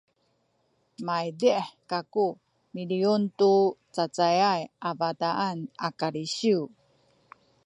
maydih kaku miliyun tu cacayay a bataan a kalisiw